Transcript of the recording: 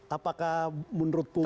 apakah menurut publik